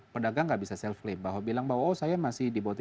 pedagang nggak bisa self clap bahwa bilang bahwa oh saya masih di bawah tiga puluh